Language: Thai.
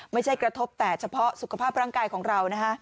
ไม่ใช่กระทบแต่เฉพาะสุขภาพร่างกายของเรานะฮะ